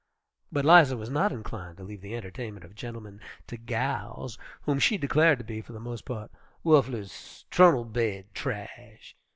But 'Liza was not inclined to leave the entertainment of gentlemen to "gals," whom she declared to be, for the most part, "wu'fless trunnel baid trash."